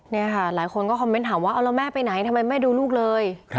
นี่ค่ะหลายคนก็คอมเมนต์ถามว่าเอาแล้วแม่ไปไหนทำไมแม่ดูลูกเลย